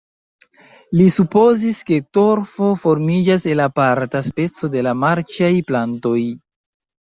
Li supozis ke torfo formiĝas el aparta speco de la marĉaj plantoj.